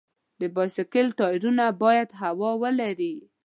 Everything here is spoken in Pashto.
د بایسکل ټایرونه باید هوا ولري.